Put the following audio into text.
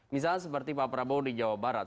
misalnya seperti pak prabowo di jawa barat